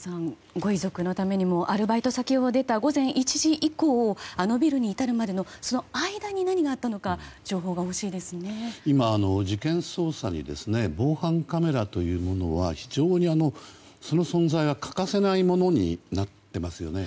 ご遺族のためにもアルバイト先を出た午前１時以降あのビルに至るまでのその間に何があったのか今、事件捜査に防犯カメラというものはその存在が欠かせないものになっていますよね。